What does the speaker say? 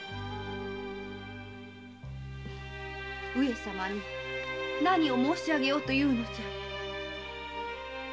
上様に何を申しあげようと言うのじゃ？